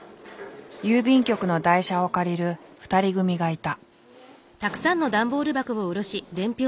郵便局の台車を借りる２人組がいた。